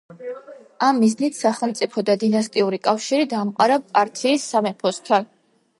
ამ მიზნით სახელმწიფო და დინასტიური კავშირი დაამყარა პართიის სამეფოსთან.